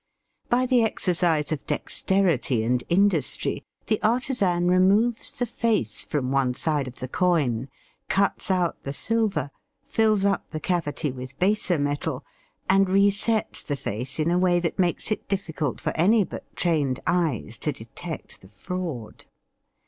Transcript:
By the exercise of dexterity and industry the artisan removes the face from one side of the coin, cuts out the silver, fills up the canity with baser metal, and resets the face in a way that makes it difl&cult for any but trained eyes to detect the fraud.